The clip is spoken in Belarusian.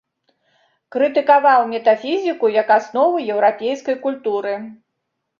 Крытыкаваў метафізіку як аснову еўрапейскай культуры.